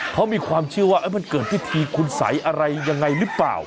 เขามีความเชื่อว่ามันเกิดพิธีคุณสัยอะไรยังไงหรือเปล่า